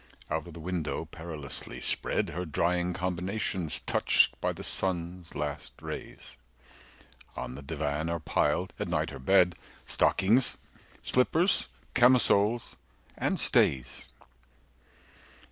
Out of the window perilously spread Her drying combinations touched by the sun's last rays, 225 On the divan are piled (at night her bed) Stockings, slippers, camisoles, and stays.